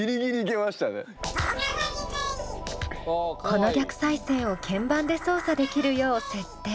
この逆再生を鍵盤で操作できるよう設定。